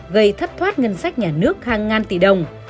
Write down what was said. gây thất thoát ngân sách nhà nước hàng ngàn tỷ đồng